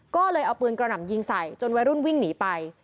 ก็เลยเอาปืนกระหน่ำยิงใส่จนวัยรุ่นวิ่งหนีไป